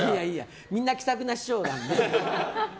みんな気さくな師匠なので。